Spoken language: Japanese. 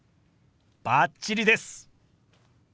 バッチリです！